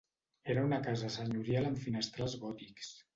Era una casa senyorial amb finestrals gòtics.